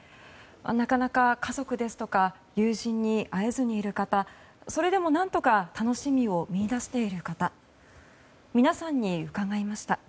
なかなか家族ですとか友人に会えずにいる方それでも何とか楽しみを見いだしている方皆さんに伺いました。